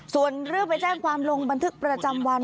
ส่วนเรื่องไปแจ้งความลงบันทึกประจำวัน